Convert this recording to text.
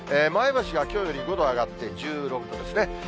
前橋がきょうより５度上がって１６度ですね。